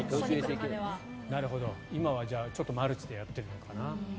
今はマルチでやってるのかな？